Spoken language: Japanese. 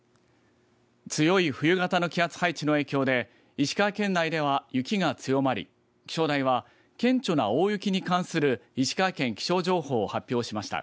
強い冬型の気圧配置の影響で石川県内では雪が強まり気象台は、顕著な大雪に関する石川県気象情報を発表しました。